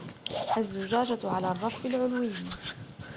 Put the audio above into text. الزُجاجة على الرف العُلوي.